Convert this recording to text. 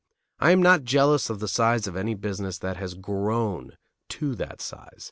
I am not jealous of the size of any business that has grown to that size.